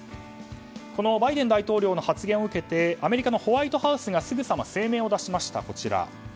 このバイデン大統領の発言を受けてアメリカのホワイトハウスがすぐさま声明を出しました。